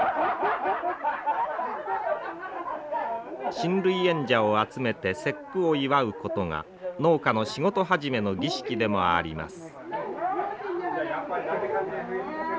親類縁者を集めて節句を祝うことが農家の仕事始めの儀式でもあります。